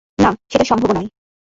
না, সেটা সম্ভবও নয়!